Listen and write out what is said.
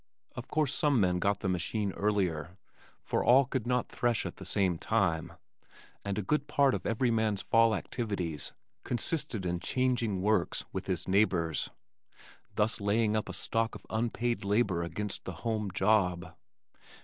Of course some men got the machine earlier, for all could not thresh at the same time, and a good part of every man's fall activities consisted in "changing works" with his neighbors, thus laying up a stock of unpaid labor against the home job.